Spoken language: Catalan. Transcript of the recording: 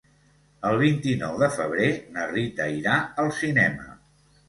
El vint-i-nou de febrer na Rita irà al cinema.